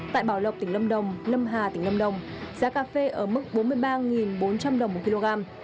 tại bảo lộc tỉnh lâm đồng lâm hà tỉnh lâm đồng giá cà phê ở mức bốn mươi ba bốn trăm linh đồng một kg